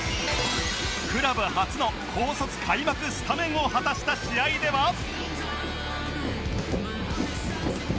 クラブ初の高卒開幕スタメンを果たした試合では